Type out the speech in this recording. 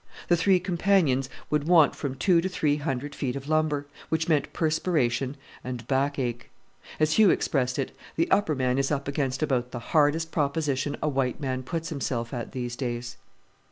The three companions would want from two to three hundred feet of lumber, which meant perspiration and backache. As Hugh expressed it, "the upper man is up against about the hardest proposition a white man puts himself at, these days."